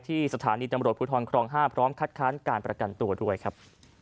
สถานีตำรวจภูทรครอง๕พร้อมคัดค้านการประกันตัวด้วยครับ